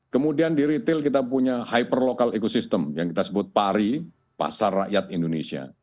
kemudian di retail kita punya hyperlocal ecosystem yang kita sebut pari pasar rakyat indonesia